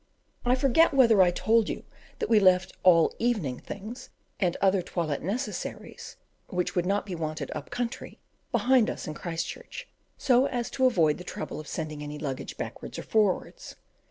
I forget whether I told you that we left all "evening things," and other toilette necessaries which would not be wanted up country, behind us in Christchurch, so as to avoid the trouble of sending any luggage backwards or forwards.